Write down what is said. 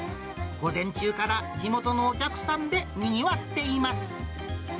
午前中から地元のお客さんでにぎわっています。